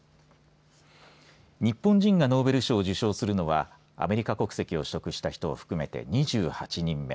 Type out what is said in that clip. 日本人がノーベル賞を受賞するのはアメリカ国籍を取得した人を含めて２８人目。